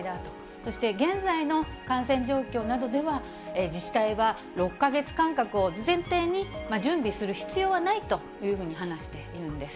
そして現在の感染状況などでは、自治体は６か月間隔を前提に準備する必要はないというふうに話しているんです。